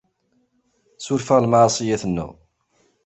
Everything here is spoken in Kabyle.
Suref-aɣ lmeɛṣiyat-nneɣ.